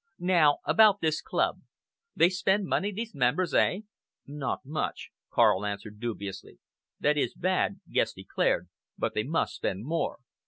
Now about this club! They spend money these members, eh?" "Not much," Karl answered dubiously. "That is bad," Guest declared; "but they must spend more.